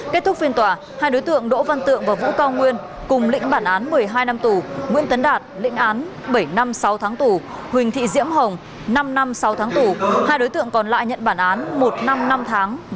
kết thúc phiên tòa hai đối tượng đỗ văn tượng và vũ cao nguyên cùng lĩnh bản án một mươi hai năm tù nguyễn tấn đạt lĩnh án bảy năm sáu tháng tù huỳnh thị diễm hồng năm năm sáu tháng tù hai đối tượng còn lại nhận bản án một năm năm tháng